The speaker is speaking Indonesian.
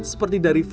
seperti dari flukus